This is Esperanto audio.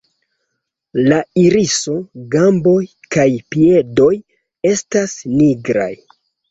La iriso, gamboj kaj piedoj estas nigraj.